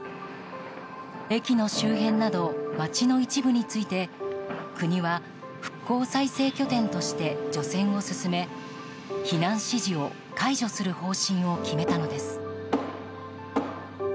駅の周辺など町の一部について国は復興再生拠点として除染を進め避難指示を解除する方針を決めたのです。